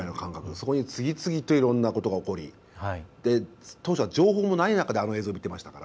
そこに次々といろんなことが起こり当時は情報がない中であの映像、見てましたし。